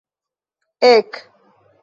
ek!